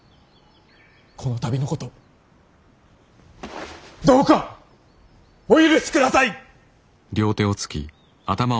この度のことどうかお許しください！